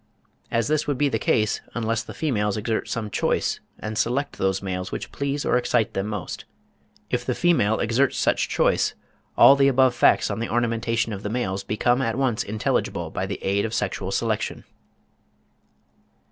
And this would be the case, unless the females exert some choice and select those males which please or excite them most. If the female exerts such choice, all the above facts on the ornamentation of the males become at once intelligible by the aid of sexual selection.